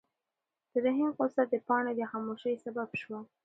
د رحیم غوسه د پاڼې د خاموشۍ سبب شوه.